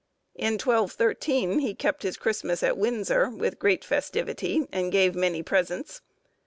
In 1213, he kept his Christmas at Windsor with great festivity, and gave many presents.